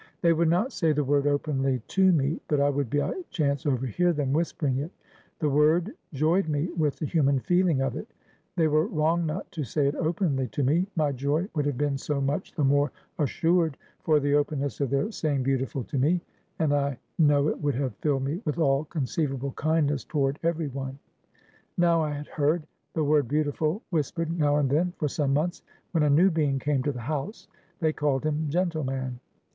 They would not say the word openly to me, but I would by chance overhear them whispering it. The word joyed me with the human feeling of it. They were wrong not to say it openly to me; my joy would have been so much the more assured for the openness of their saying beautiful, to me; and I know it would have filled me with all conceivable kindness toward every one. Now I had heard the word beautiful, whispered, now and then, for some months, when a new being came to the house; they called him gentleman.